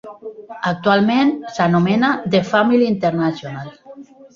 Actualment s'anomena The Family International.